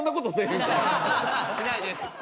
しないです。